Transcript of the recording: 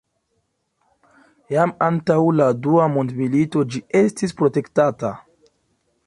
Jam antaŭ la dua mondmilito ĝi estis protektata.